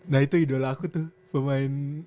nah itu idola aku tuh pemain